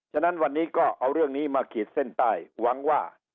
ฉะนั้นวันนี้ก็เอาเรื่องนี้มาขีดเส้นใต้หวังว่า